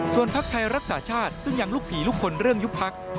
ส่วนพักไทยรักษาชาติซึ่งยังลูกผีลูกคนเรื่องยุบพัก